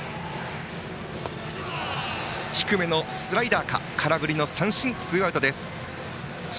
低めのスライダー空振りの三振、ツーアウトです。